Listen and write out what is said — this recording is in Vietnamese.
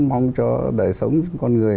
mong cho đời sống con người